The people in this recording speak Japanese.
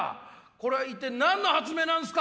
これは一体何の発明なんですか？